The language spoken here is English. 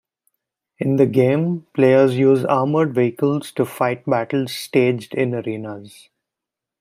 In the game, players use armored vehicles to fight battles staged in arenas.